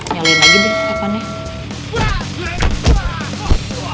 nyalain lagi deh tapannya